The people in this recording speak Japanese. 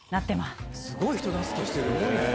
すごい人助けしてる。